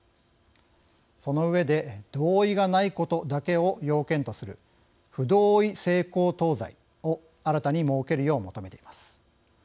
その上で同意がないことだけを要件とする不同意性交等罪を新たに設けるよう求めています。